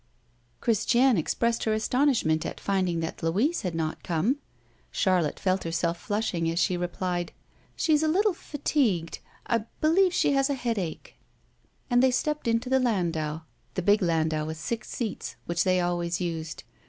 Christiane expressed her astonishment at finding that Louise had not come. Charlotte felt herself flushing as she replied: "She is a little fatigued; I believe she has a headache." And they stepped into the landau, the big landau with six seats, which they always used.